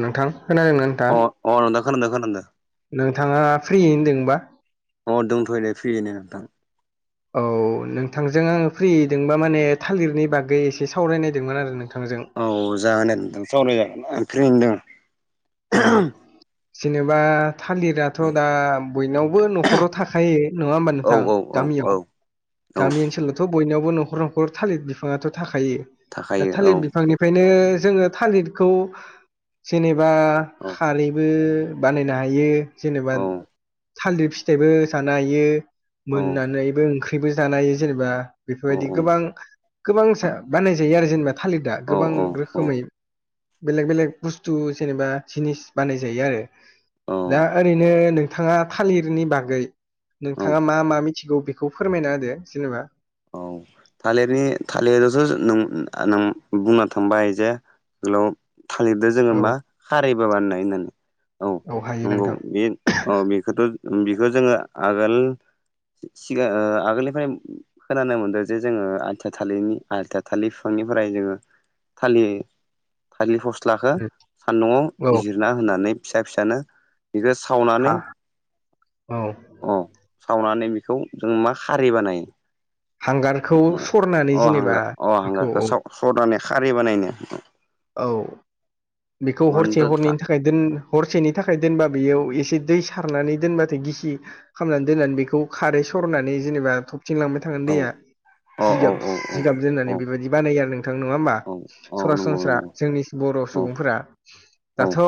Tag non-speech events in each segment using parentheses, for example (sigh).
नोंथां खोनादों ना अ अ नोंथां खोनादों खोनादों। नोंथाङा फ्रियैनो दोंबा? अ दंथयो' नो फ्रियैनो नोंथां। औ नोंथांजों आङो फ्रियैदोंबा माने थालिरनि बागै एसे सावरायनायदोंमोन आरो नोंथांजों। औ जागोन दे नोंथां सावरायजागोन आं फ्रियैनोदोङो। औ जेनोबा थालिरथ' दा बयनावबो न'खराव थाखा खायो नङा होमबा औ नोंथां? औ औ औ गामियाव औ गामि ओनसोलाव थ बयनावबो न'खर न'खर थालिर बिफांङाथ थाखायो दा थाखायो थालिर औ बिफांनि खायनो जोङो थालिरखौ जेनेबा औ खारैबो बानायनो हायो जेनेबा औ थालिर फिथाइबो जानो हायो। औ मोननानैबो ओंख्रिबो जानोहायो जेनेबा औ बेफोरबायदि गोबां गोबांसा बानाय जायो आरो जेनेबा थालिर दा गोबां औ रोखोमै बेलेग बेलेग बुस्थु जेनेबा जिनिस बानाय जायो आरो औ दा ओरैनो नों थाङा थालिरनि बागै औ नोंथाङा मा मा मिथिगौ बेखौ फोरमायना होदो जेनेबा। औ थालिरनि थालिरजोंसो न नों नों बुंना थांबाय जे ल' थालिरदो जोङो औ मा खारैबो बानायो होननानै। औ हायो नंगौ नोंथां बे औ बेखौथ' बेखौ जोङो आगोल सिगां ओ आगोलनिफ्राय खोनानो मोन्दो जे जोङो आलथिया थालिरनि आल्थिया थाालिर फिफांनिफ्राय जोङो फालियो। थालिर फस्लाखो उम औ सान्दुंआव जिरना होननानै फिसा फिसानो बिखो सावनानै हा औ अ सावनानै बेखौ जों मा खारै बानायो। हांगारखौ सरनानै अ जेनेबा हांगार अ बेखौ हांगारखौ साव सरनानै खारै बानायनो। औ बेखौ औ हरसे हरनैनि थाखाय दोन हरसेनि थाखाय दोनबा बेयाव एसे दै सारनानै दोनबाथाय गिसि खामनानै दोननानै बेखौ खारै सरनानै जेनेबा थबथिंलांबाय थागोन दैया। औ जिगाब औ जिगाब औ दोननानै बेबायदि बानायो आरो नोंथां नङा होमबा? औ औ नंगौ सरासनस्रा नंगौ जोंनि बर' औ सुबुंफोरा दाथ'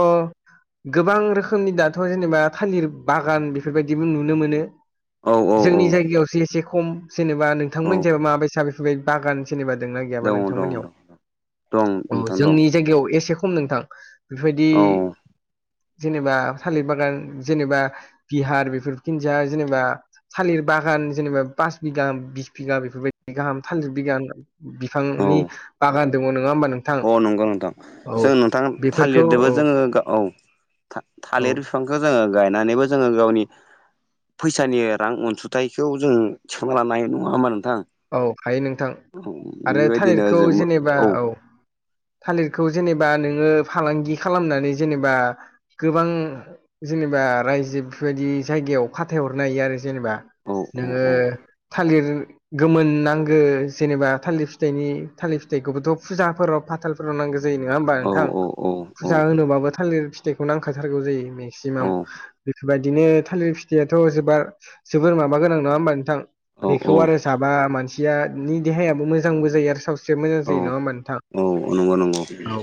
गोबां रोखोमनि दाथ' जेनेबा थालिर बागान बेफोरबायदिबो नुनो मोनो। औ औ औ जोंनि जायगायावसो एसे खम जेनेबा औ नोंथांमोननि जागायाव मा बायसा बेफोरबादि बागान जेनेबा दोंना गैयाबा दङ दं नोंथांमोननियाव दं दं औ नोंथां दं जोंनि जायगायाव एसे खम नोंथां। बेफोरबायदि औ जेनेबा थालिर बागान जेनेबा बिहार बेफोरथिंजा जेनेबा थालिर बागान जेनेबा पास बिगा बिस बिगा बेफोरबायदि गाहाम थालिर बिगान बिफांनि औ बागान दङ नङा होनबा नोंथां? अ नंगौ नोंथां औ जों नोंथां बेफोरखौ थालिरदोबो औ जोङो औ औ थालिर बिफांखो जोङो गायनानैबो जोङो गावनि फैसानि रां उनसुथाइखौ जों थिखांना लानो हायो नङा होमबा नोंथां? औ हायो नोंथां आरो बेबायदिनो थालिरखौ जों जेनेबा औ थालिरखौ जेनेबा नोङो फालांगि खालामनानै जेनेबा गोबां जेनेबा रायजो बेफोरबायदि जायगायाव फाथायहरनो हायो आरो जेनेबा। औ औ नोङो थालिर गोमोन नांगो जेनेबा थालिर फिथाइनि थालिर फिथाइखौबोथ' फुजाफोराव फाथाल फोराव नांगौ जायो नोङा होमबा औ नोंथां औ औ फुजा होनोबाबो थालिर फिथाइखौ नांखाथारगौ जायो। मेक्सिमाम बेफोरबायदिनो थालिर फिथाइाथ' जोबार जोबोर माबा गोनां नङा होमबा नोंथां औ बेखौ आरो बा मानसिया नि देहायाबो मोजांबो जायो आरो सावस्रि एसे मोजां औ जायो नंआ होमबा नोंथां औ नंगौ नंगौ औ।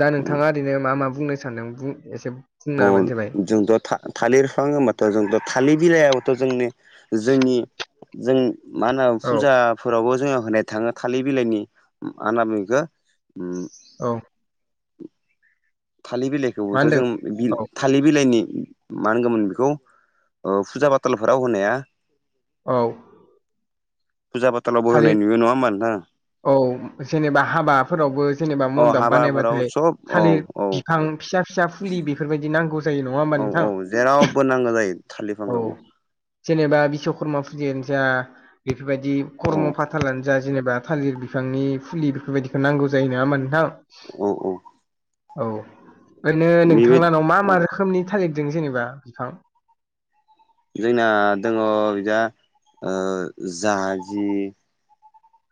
दा नोंथाङा ओरैनो मा मा बुंनो सान्दों बुं एसे। अ बुंना होबानो जाबाय जोंथ' था थालिर फिफां होनबाथ' जोंनि थालिर बिलाइाबथ' जोंनि जोंनि जों मा होनो औ फुजा फोरावबो जोङो होनाय थाङो थालिर बिलाइनि मा होनना बुङो बेखौ ओ औ। थालिर मा होनदों बिलाइखौबोथ'जोङो बिल औ थालिर बिलाइनि मा होनगौमोन बेखौ ओ फुजा फाथालफोराव होनाया औ। फुजा फाथालावबो थालिर होनाय नुयो नङा होनबा नोंथां। औ जेनेबा हाबाफोरावबो जेनेबा अ मन्दाब हाबाफोराव बानायबाथाय सब औ थालिर औ बिफां फिसा फिसा फुलि बेफोरबादि नांगौ जा औ औ जेरावबो नांगौ जायो थालिर औ बिफांखौ जेनेबा बिश्वकर्मा फुजानो जा बेफोरबायदि औ खर्मफाथ थालानो जा जेनेबा थालिर बिफांनि फुलि बेफोरबायदिखौ नांगौ जायो नङा होनबा नोंथां औ औ। औ ओरैनो बेबायदि नोंथांलाहानाव मा औ मा रोखोमनि थालिरदों जेनेबा बिफां जोंना दङ बिजा ओ जाजि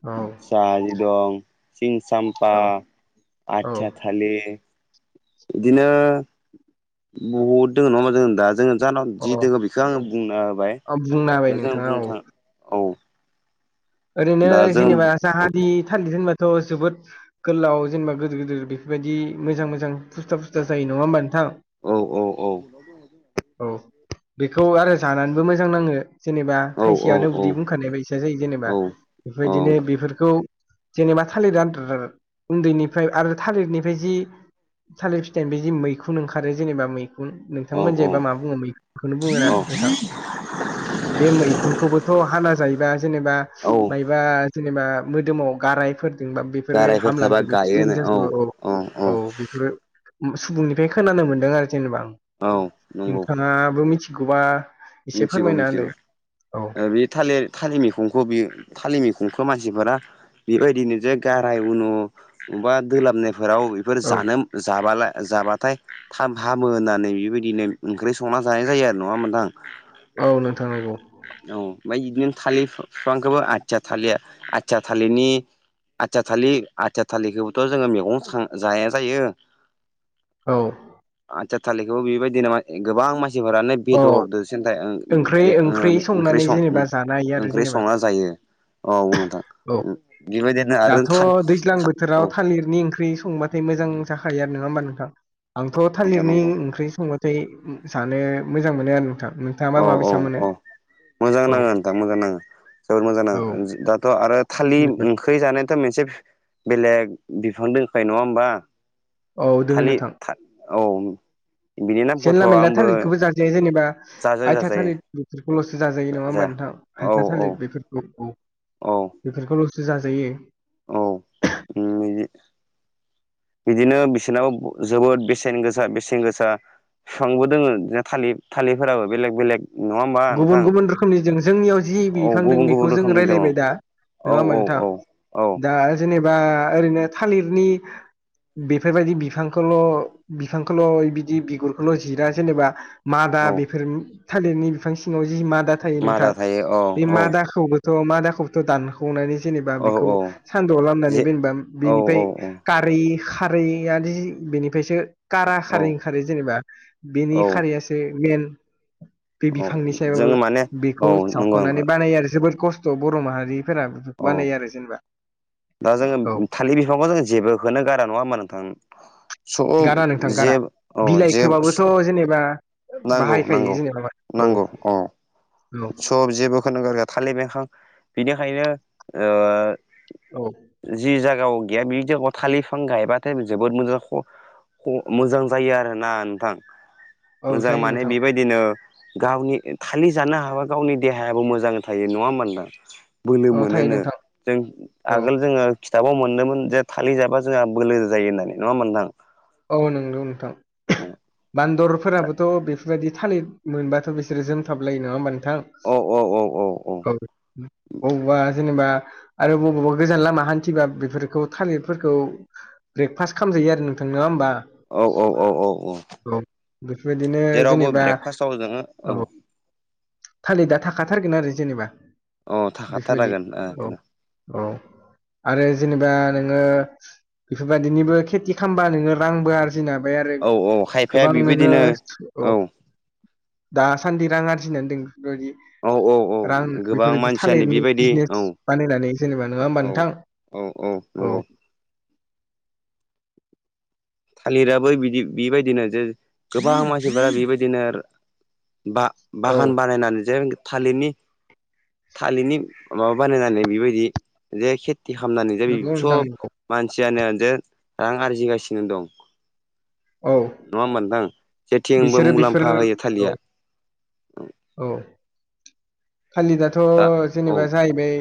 औ। जाहाजि दं सिंसामफा औ आथिया औ था थालिर बिदिनो बहुद दङ नङा होबा जों दा जोङो जानाव जि अ दङो बेखौ आङो बुंन होबाय आं बुंना होबाय दा जोंङ नोंथाङा औ बुंनो थाङ औ ओरैनो दा जों जेनेबा जाहाजि थालिर होनबाथ' जाबोद गोलाव जेनेबा गोदोर गोदोर बेफोरबायदि मोजां मोजां फुस्था फुस्था जायो नङा होमबा नोंथां। औ औ औ। औ। बेखौ आरो जानानैबो मोजां नाङो जेनेबा औ थाइसेयनो उदै बुंखानाय बायसा जायो औ जेनेबा। औ बेबायदिनो बेफोरखौ जेनेबा थालिर आद्रा उन्दैनिफ्राय आरो थालिरनिफ्राय जि थालिर फिथाइ बे जे मैखुन ओंखारो जेनेबा मैखुन औ नोंथांमोनजो एबा मा बुङो मैखुनखौनो बुङो ना नोंथां बे मैखुनखौबोथ' हाना जायोबा जेनेबा औ मायबा जेनेबा मोदोमाव गारायफोरजोंबा बे बेफोरो हामलांजोबो (unintelligible) औ औ बेफोरो सुबुंनिफ्राय खोनानो मोन्दों आरो जेनेबा आं। औ नंगौ। नोथाङाबो मिथिगौबा एसे मिथिगौ फोरमायना होदो बमिथिगौ औ ओ बि थालेर थालिमैखंखौ बियो थालिमैखंखौ मानसिफोरा बेबायदिनो जे गाराय उन' बबा दोलाबनाय फोराव बेफोर औ जानो जाबला जाबाथाय। थाब हामो होननानै बेबायदिनो ओंख्रि संना जानाय जायो आरो नङामोबा नोंथां। औ नोंथां नंगौ (inaudible) औ ओमफ्राय बिदिनो थालिर बिफांखौबो आथिया थालेर आथिया थालिरनि आथिया थालिर आथिया थालिरखौबोथ' जोङो मैगं जाया जायो औ। आथिया थालिरखौबो बेबायदिनो गोबां मानसिफोरानो औ बेदरदो सेन्थाय ओं ओंख्रि ओंख्रि संनानै जेनेबा (unintelligible) जानो हायो आरो ओंख्रि जेनेबा संना जायो ओ उन औ। बेबादिनो दाथ' दैज्लां बोथोराव थालिरनि ओंख्रि संबाथाय मोजां जाखायो आरो नङा होमबा नोंथां। आंथ' नोंथां थालिरनि नंगौ ओंख्रि संबाथाय जानो मोजां मोनो आरो नोंथां। नोंथाङा मा औ औ बायसा मोनो औ मोजां औ नाङो नोंथां मोजां नाङो जोबोर मोजां औ नाङो दाथ' आरो थालिर उम ख्रि जानोथ' मोनसे बेलेग बिफां दंखायो नङा होमबा औ दोङो थालिर नोंथां था औ बिनि नामखौथ' आंबो जे जेनेबा जाजायो आथिया जाजायो थालिर बेफोरखौल'सो जाजायो नङा जा होमबा नोंथां हायथा थालिर बे औ औ औ बेफोरखौल'सो जाजायो औ उम बिदि बिदिनो बिसोरनाव जोबोद बेसेन गोसा बेसेन गोसा बिफांबो दोङो थालिर थालिरफोराबो बेलेग बेलेग नङा होमबा नोंथां गुबुन गुबुन रोखोमनि जों जोंनियाव जि औ बिफां दों गुबुन गुबुन बेखौ जों रोखोमनि दङ औ रायज्लायबाय दा नङा होमबा औ नोंथां औ औ दा जेनेबा ओरैनो थालिरनि बेफोरबायदि बिफांखौल' बिफांखौल' बिदि बिगुरखौल' जिरा जेनेबा मादा औ बेफोर थालिरनि बिफां सिङाव जि मादा थायो मादा नोंथां थायो औ बे औ मादाखौबो थ' मा दाखौथ' दानख'नानै जेनेबा औ बेखौ औ सानदुंआव लामनानै जे बेेनबा औ औ बेनिफ्राय औ खारै खारैआजि बेनिफ्रायसो कारा औ खारै ओंखारो जेनेबा औ बेनि खारैयासो मेन बे औ बिफांनि जोङो माने सायावबाबो औ बेखौ नंगौ नंगौ जावखांनानै बानायो आरो जोबोर खस्थ' बर' माहारि फोरा औ बानायो आरो जेनेबा दा जोङो औ थालिर बिफांखौ जों जेबोखौनो गारा नङा होमा नोंथां स गारा नोंथां गारा जेब औ बिलाइ जेब खोबाबोथ' स जेनेबा नांगौ बाहायखायो नांगौ जेनेबा औ नांगौ अ औ सब जेबोखौनो गारा थालिर बिफां बिनिखायनो ओ औ जि जायगायाव गैया बे जायगायाव थालिरफां गायबाथाय जोबोद मोजां आख अ मोजां जायो आरोना नोंथां औ मोजां जायो माने नोंथां बेबायदिनो गावनि थालिर जानो हाबा गावनि देहाबो मोजां थायो नङा होमबा नोंथां बोलो औ थायो मोनोनो नोंथां जों औ आगोल जोङो खिथाबाव मोनदोंमोन थाललि जाबा जोंहा जायो होननानै नङा होनबा नोंथां औ नंगौ नोंथां बान्दरफोराबोथ' बे बेफोरबायदि थालिर मोनबाथ' बिसोरो जोमथाबलायो नङा होमबा नोंथां औ औ औ औ औ बबावबा जेनेबा आरो बबावबा गोजान लामा हान्थिबा बेफोरखौ थालिरफोरखौ ब्रेकफास्ट खालामजायो आरो नों थों नङा होमबा औ औ औ औ औ बेफोरबायदिनो जेरावबो जेनेबा ब्रेकफास्टआव जोङो औ (inaudible) थालिर दा थाखाथारगोन आरो जेनेबा औ बेफोरबायदि थाखाथारागोन औ औ आरो जेनेबा नोङो बेफोरबायदिनिबो खेथि खालामबा नोङो रांबो आरजिनो आरो औ औ खायफाया गोबां नोङो बेबायदिनो औ दासान्दि रां आरजिनानै दं औ औ औ बेफोरबायदि रां गोबां बेफोरबायदि मानसियानो थालिरनि बेबायदि औ बिजनेस बानायनानै जेनेबा नङा होमबा औ नोंथां औ औ नंगौ थालिराबो बिदि बेबायदिनो जे गोबां मानसिफोरा बेबायदिनो आरो औ बा-बागान बानायनानै जे थालिदनि थालिदनि माबा बानायनानै बेबायदि जेे के ति खामनानै जे बे नंगौ नोंथां सब नंगौ मानसियानो जे रां आरजिगासिनो दं। औ। नङा होमबा नोंथां? जेथिंबो बिसोरो बेफोर मुलाम्फा होयो औ थालिया। औ। थालिदआथ' दा औ जेनेबा जाहैबाय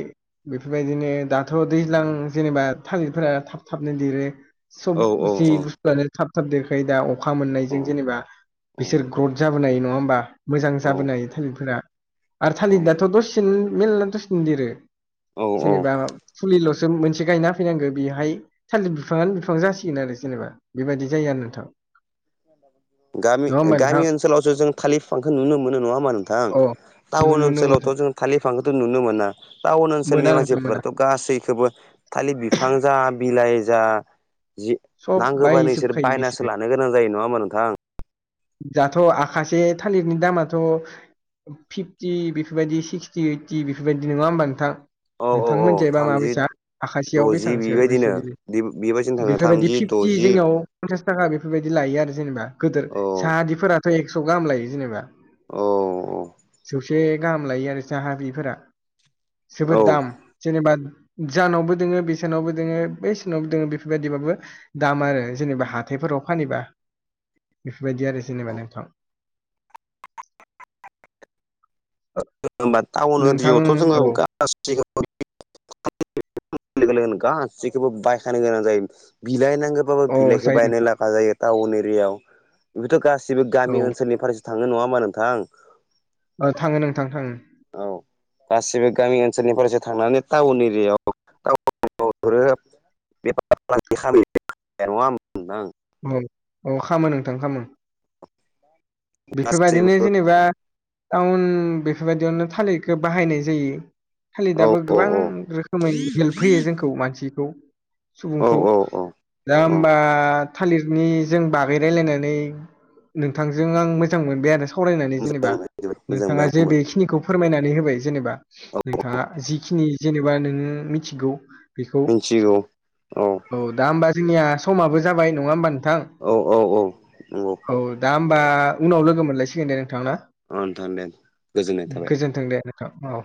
बेफोरबायदिनो दाथ' दैज्लां जेनेबा थालिरफोरा थाब थाबनो देरो। सब औ औ जि औ बुस्थुआनो थाब थाब देरखायो दा अखा मोननायजों जेनेबा औ बिसोर ग्रड जाबोनाय नङा होमबा मोजां औ जाबोनाय थालिर फोरा। आरो औ थालिदाथ' दसेनो मेलला दसेनो देरो। औ औ। जेनेबा फुलिल'सो मोनसे गायना होफोयनांगो बेहाय थालिद बिफाङानो बिफां जासिगोन आरो जेनेबा बेबायदि जायो आरो नोंथां। गामि नङा होमबा नोंथां गामि ओनसोलावसो जों थालि फिफांखो नुनो मोनो नङा होनबा नो थां अ नों टाउन नों नोंथां ओनसोलावथ' जों थालिफांखौथ' नुनो मोना टाउन मोना ओनसोलनि नोंथां मोना मानसिफोरथ' गासैखोबो थालि बिफां जा बिलाइ जा जि सब नांगोबानो इसोर बायजोबखायो बिसोरो बायनासो लानो गोनां जायो नङा होमबा नोंथां? दाथ' आखासे थालिदनि दामाथ' फिफ्टि बिफोरबायदि सिक्सटि ओइटि बिफोरबायदि नङा होमबा नोंथां? औ नोंथां औ मोनजायबा थामजि माबायसा? आखासेयाव द'जि बेसांसो बेसे बेबायदिनो बेबायदिनो (inaudible) थाङो बेफोरबायदि थामजि फिफ्टि द'जि जोंनियाव फन्सास थाखा बेफोरबायदि लायो आरो जेनेबा गोदोर औ साहादिफोराथ' एक्स' गाहाम लायो जेनेबा। औ औ। गुसे गाहाम लायो आरो साहा बिफोरा औ जोबोद दाम। जेनेबा जानावबो दोङो बेसानावबो दोङो बै सोनावबो दोङो बेफोरबायदिबाबो दाम आरो जेनेबा हाथायफोराव फानैबा। बेफोरबायदि आरो जेनेबा नोंथां। (unintelligible) टाउन नोंथां ओदियावथ'जोङो औ गासै (unintelligible) (unintelligible) गासिखोबो बायखानो गोनां जायो। बिलाइनांगो बाबो अ बिलाइखो जायो बायनो नोंथां लागा जायो टाउन एरियाव बिबोथ' गासिबो गामि औ ओनसोलनि फ्रायसो थाङो नङा होमबा नोंथां? ओ थाङो नोंथां थाङो। औ गासिबो गामि ओनसोलनिफ्रायसो थांनानै टाउन एरियायाव (unintelligible) (unintelligible) औ अ खामो नोंथां खामो। बेफोबायदिनो गासैबो जेनेबा टाउन बेफोबायदियावनो थालिखो बाहायनाय जायो। औ थालिदाबो औ गोबां औ रोखोमै हेल्प होयो जोंखौ मानसिखौ। औ सुबुंखौ औ औ दा औ ओमबा थालिरनि जों बागै रायलायनानै नोंथांजों आं मोजां मोनबाय आरो सावरायनानै मोजां जेनेबा मोनबाय जोबोद मोजां नोंथाङा मोनबाय जे आंबो बेखिनिखौ फोरमायनानै होबाय जेनेबा। नोंथाङा जिखिनि जेनेबा नोङो मिथिगौ बिखौ मिथिगौ औ दा होनबा जोंनिया समाबो जाबाय नङा होमबा नोंथां? औ औ औ। नंगौ ओ औ दा ओमबा उनाव लोगो मोनलायसिगोन दे नोंथां ना। नोंथां दे गोजोननाय थाबाय गोजोनथों दे नोंथां औ।